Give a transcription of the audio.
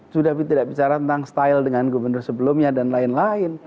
sudah tidak bicara tentang style dengan gubernur sebelumnya dan lain lain